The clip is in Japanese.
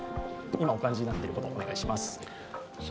今お感じになっていることをお願いします。